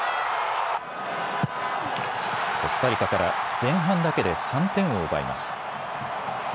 コスタリカから前半だけで３点を奪います。